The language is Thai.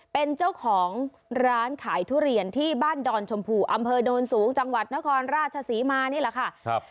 เป็นเจ้าของร้านขายทุเรียนที่บ้านดอนชมพูอำเภอโนนสูงจังหวัดนครราชศรีมานี่แหละค่ะ